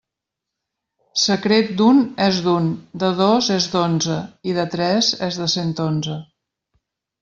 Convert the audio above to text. Secret d'un és d'un, de dos és d'onze, i de tres és de cent onze.